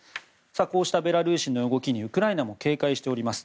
こうしたベラルーシの動きにウクライナも警戒しています。